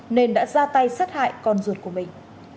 nên đã ra tay sát hại con ruột của mình